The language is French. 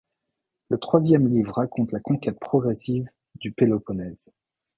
Le troisième livre raconte la conquête progressive du Péloponnèse.